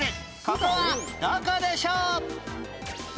ここはどこでしょう？